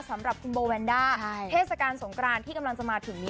สำหรับคุณโบแวนด้าเทศกาลสงกรานที่กำลังจะมาถึงนี้